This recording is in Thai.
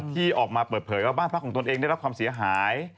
ที่ออกมาเปิดเผยว่าบ้านพักของตนเองได้รับความเสียหาย